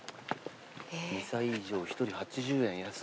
２歳以上一人８０円。